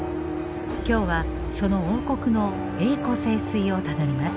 今日はその王国の栄枯盛衰をたどります。